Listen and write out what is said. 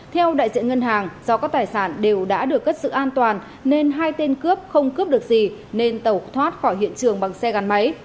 theo đại diện ngân hàng do các tài sản đều đã được cất giữ an toàn nên hai tên cướp không cướp được gì nên tẩu thoát khỏi hiện trường bằng xe gắn máy